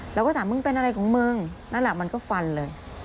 เราก็ถามมึงเป็นอะไรของมึงนั่นแหละมันก็ฟันเลย